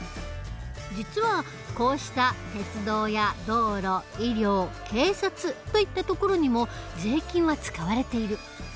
実はこうした鉄道や道路医療警察といったところにも税金は使われている。